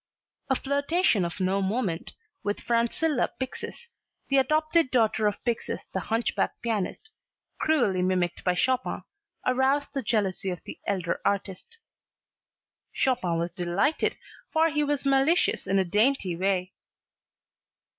A flirtation of no moment, with Francilla Pixis, the adopted daughter of Pixis the hunchback pianist cruelly mimicked by Chopin aroused the jealousy of the elder artist. Chopin was delighted, for he was malicious in a dainty way.